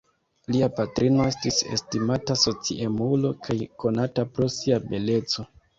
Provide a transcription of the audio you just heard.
Lia patrino estis estimata sociemulo kaj konata pro sia beleco.